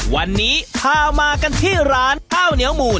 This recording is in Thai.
วันนี้พามากันที่ร้านข้าวเหนียวมูล